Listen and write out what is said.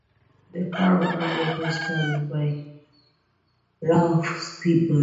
The cover artwork was done by Ralph Steadman.